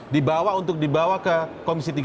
dibawa untuk dibawa ke komisi tiga